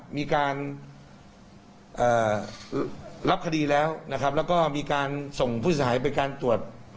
มีการรับคดีแล้วนะครับแล้วก็มีการส่งผู้เสียหายไปการตรวจ